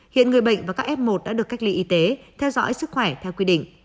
hiện người bệnh và các f một đã được cách ly y tế theo dõi sức khỏe theo quy định